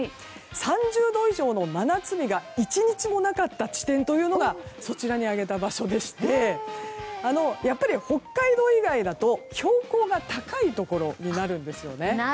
３０度以上の真夏日が１日にもなかった地点がそちらに挙げた場所でしてやっぱり北海道以外だと標高が高いところになるんですよね。